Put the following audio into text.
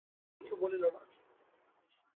তবুও দিদি কিছু বলিল না।